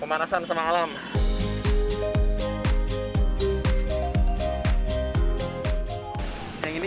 emang rambut passa pucah zits surrounding air